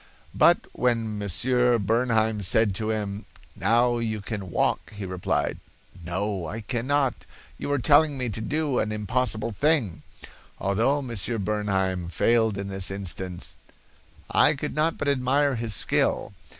But when Monsieur Bernheim said to him, 'Now you can walk, he replied, 'No, I cannot; you are telling me to do an impossible thing.' Although Monsieur Bernheim failed in this instance, I could not but admire his skill.